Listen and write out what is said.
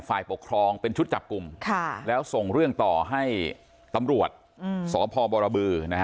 ฝ่ายปกครองเป็นชุดจับกลุ่มแล้วส่งเรื่องต่อให้ตำรวจสพบรบือ